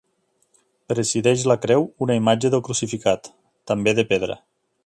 Presideix la creu una imatge del crucificat, també de pedra.